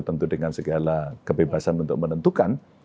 tentu dengan segala kebebasan untuk menentukan